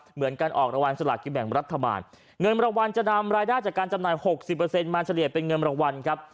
เหมือนการออกรางวัลสลากินแบ่งรัฐบาลเงินรางวัลจะนำรายได้จากการจำหน่าย๖๐มาเฉลี่ยเป็นเงินรางวัลครับ